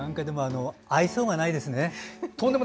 愛想がないですね。